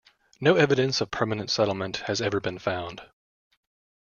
No evidence of permanent settlement has ever been found.